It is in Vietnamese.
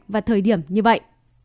và thời điểm như vậy